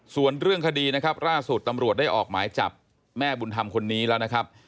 ส่วนเรื่องคดีนะครับล่าสุดตำรวจได้ออกหมายจับแม่บุญธรรมคนนี้แล้วนะครับ